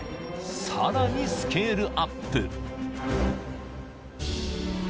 さらにスケールアップ］